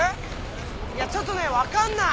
いやちょっとねわかんない。